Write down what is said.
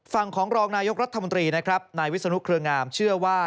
ฝั่งของรองนายกรัฐมนตรีนะครับนายวิศนุเครืองามเชื่อว่า